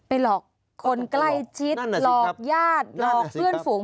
หลอกคนใกล้ชิดหลอกญาติหลอกเพื่อนฝูง